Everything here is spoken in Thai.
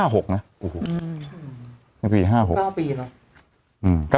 ตั้งแต่ปี๕๖๙ปีหรอ